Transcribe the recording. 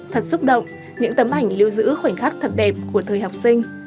thật xúc động những tấm ảnh lưu giữ khoảnh khắc thật đẹp của thời học sinh